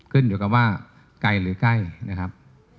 ขึ้นอยู่กับว่าไกลหรือใกล้นะครับ